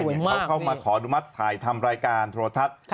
เขาเข้ามาขออนุมัติถ่ายทำรายการโทรทัศน์